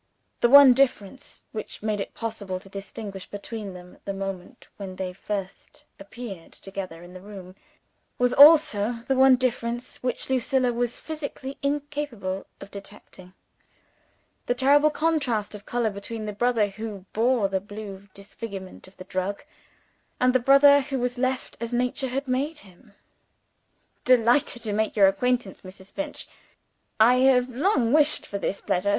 The one difference which made it possible to distinguish between them, at the moment when they first appeared together in the room, was also the one difference which Lucilla was physically incapable of detecting the terrible contrast of color between the brother who bore the blue disfigurement of the drug, and the brother who was left as Nature had made him. "Delighted to make your acquaintance, Mrs. Finch I have long wished for this pleasure.